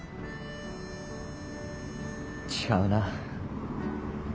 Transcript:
違うな。